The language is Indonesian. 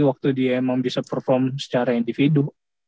waktu dia emang bisa perform secara individu